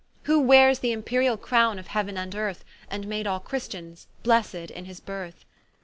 Who weares th'imperiall crowne of heauen and earth, And made all Christians blessed in his berth.